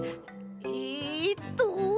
えっと。